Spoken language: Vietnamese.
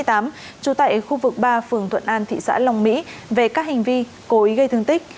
trụ tại khu vực ba phường thuận an tp long mỹ về các hành vi cối gây thương tích